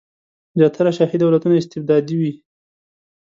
زیاتره شاهي دولتونه استبدادي وي.